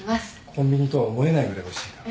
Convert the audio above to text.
コンビニとは思えないぐらいおいしいから。